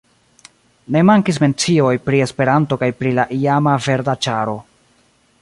Ne mankis mencioj pri Esperanto kaj pri la iama Verda Ĉaro.